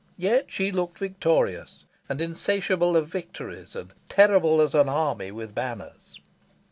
Yet she looked victorious, and insatiable of victories, and "terrible as an army with banners."